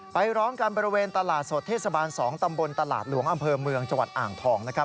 ไปร้องกันบริเวณตลาดสดเทศบาล๒ตำบลตลาดหลวงอำเภอเมืองจังหวัดอ่างทองนะครับ